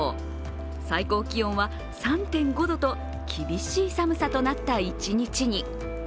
最高気温は３．５度と厳しい寒さとなった一日に。